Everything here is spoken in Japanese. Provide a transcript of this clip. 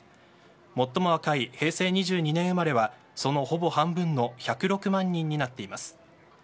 最も若い平成２２年生まれはそのほぼ半分の１０６万人になっています。